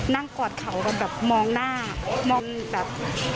นะนั่งกอดเข่าอยู่แบบมองหน้ามองแบบ